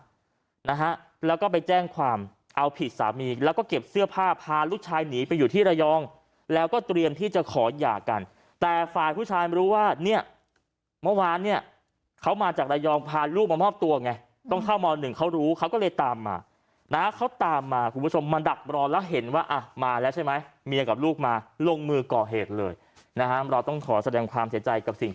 นะฮะแล้วก็ไปแจ้งความเอาผิดสามีแล้วก็เก็บเสื้อผ้าพาลูกชายหนีไปอยู่ที่ระยองแล้วก็เตรียมที่จะขอหย่ากันแต่ฝ่ายผู้ชายมารู้ว่าเนี่ยเมื่อวานเนี่ยเขามาจากระยองพาลูกมามอบตัวไงต้องเข้ามหนึ่งเขารู้เขาก็เลยตามมานะเขาตามมาคุณผู้ชมมาดักรอแล้วเห็นว่าอ่ะมาแล้วใช่ไหมเมียกับลูกมาลงมือก่อเหตุเลยนะฮะเราต้องขอแสดงความเสียใจกับสิ่ง